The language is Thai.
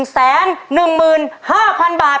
๑แสน๑หมื่น๕พันบาท